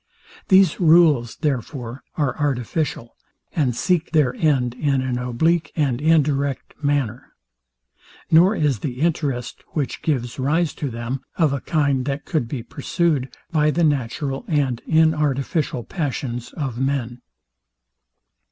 These rules, therefore, are artificial, and seek their end in an oblique and indirect manner; nor is the interest, which gives rise to them, of a kind that could be pursued by the natural and inartificial passions of men.